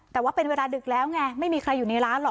แต่ว่าเป็นเวลาดึกแล้วไงไม่มีใครอยู่ในร้านหรอก